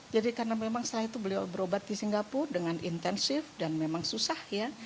jadi karena memang setelah itu beliau berobat di singapura dengan intensif dan memang susah ya